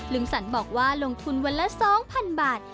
สรรบอกว่าลงทุนวันละ๒๐๐๐บาท